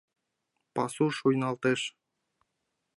Пасу шуйналтеш.